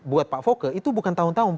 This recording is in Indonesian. buat pak foke itu bukan tahun tahun